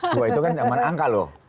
dua itu kan zaman angka loh